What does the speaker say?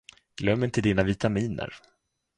Glöm inte dina vitaminer.